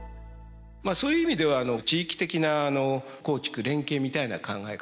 そういう意味では地域的な耕畜連携みたいな考え方ですね。